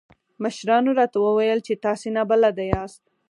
مشرانو راته وويل چې تاسې نابلده ياست.